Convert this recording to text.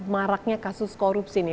maraknya kasus korupsi